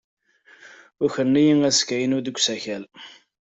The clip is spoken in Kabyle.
Ukren-iyi asga-inu deg usakal.